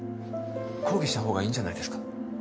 抗議したほうがいいんじゃないですか？